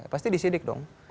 pasti disidik dong